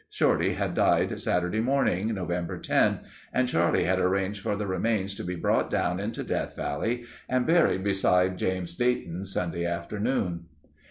Shorty had died Saturday morning, November 10, and Charlie had arranged for the remains to be brought down into Death Valley and buried beside James Dayton Sunday afternoon.